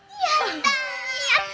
やった！